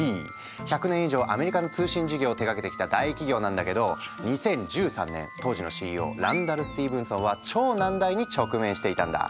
１００年以上アメリカの通信事業を手がけてきた大企業なんだけど２０１３年当時のＣＥＯランダル・スティーブンソンは超難題に直面していたんだ。